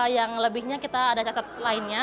yang lebihnya kita ada cacat lainnya